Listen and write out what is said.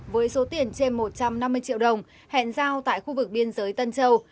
với số tiền trên một trăm năm mươi triệu đồng hẹn giao tại khu vực biên giới tân châu